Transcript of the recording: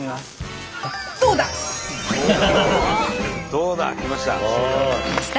「どうだ」きました。